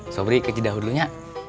sobri ke cidahu dulunya